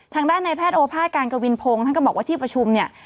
ทางด้านในแพทย์โอภาษการกวินพงศ์ท่านก็บอกว่าที่ประชุมเนี่ย